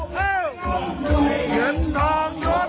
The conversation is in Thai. แฮปปี้เบิร์สเจทูยู